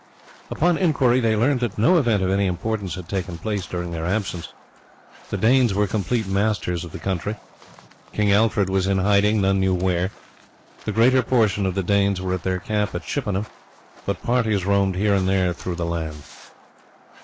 Upon inquiry they learnt that no event of any importance had taken place during their absence. The Danes were complete masters of the country. King Alfred was in hiding, none knew where. The greater portion of the Danes were at their camp at Chippenham, but parties roamed here and there through the land.